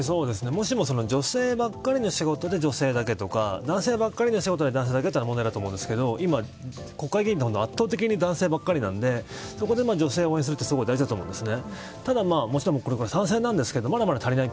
もしも女性ばっかりの仕事で女性だけどか男性ばかりの仕事で男性だけだと問題ですけど今、国会議員は圧倒的に男性ばかりなのでそこで女性を応援するのは大事だと思うんです。